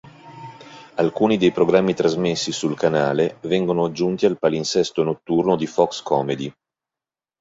Alcuni del programmi trasmessi sul canale vengono aggiunti al palinsesto notturno di Fox Comedy.